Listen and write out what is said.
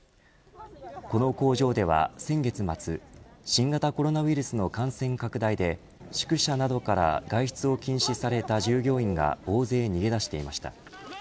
この工場では先月末新型コロナウイルスの感染拡大で宿舎などから外出を禁止された従業員が大勢逃げ出していました。